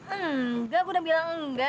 enggak aku udah bilang enggak